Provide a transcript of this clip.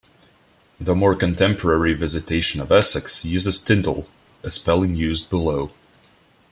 The more contemporary 'Visitation of Essex' uses 'Tyndall', a spelling used below.